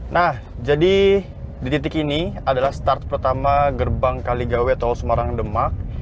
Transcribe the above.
nah jadi di titik ini adalah start pertama gerbang kaligawe atau semarang demak